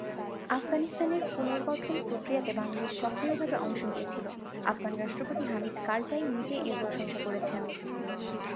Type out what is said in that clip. আফগানিস্তানের পুনর্গঠন প্রক্রিয়াতে বাংলাদেশ সক্রিয়ভাবে অংশ নিয়েছিল, আফগান রাষ্ট্রপতি হামিদ কারজাই নিজে এর প্রশংসা করেছেন।